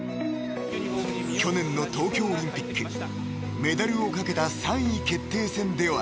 ［去年の東京オリンピックメダルを懸けた３位決定戦では］